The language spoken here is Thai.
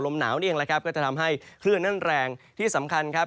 ลมหนาวนี่เองก็จะทำให้คลื่นนั่นแรงที่สำคัญครับ